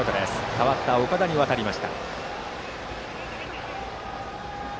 代わった岡田に渡りました。